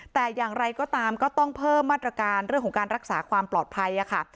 แต่อย่างไรก็ตามก็ต้องเพิ่มมาตรการเรื่องของการรักษาความปลอดภัยค่ะ